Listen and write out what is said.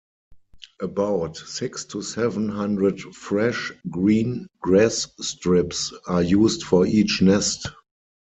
About six to seven hundred fresh, green grass strips are used for each nest.